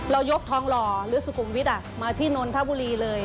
ยกทองหล่อหรือสุขุมวิทย์มาที่นนทบุรีเลย